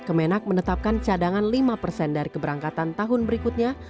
kemenak menetapkan cadangan lima persen dari keberangkatan tahun berikutnya